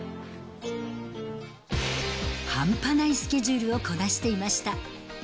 半端ないスケジュールをこなしていました。